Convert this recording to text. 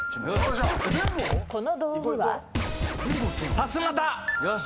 さすまた。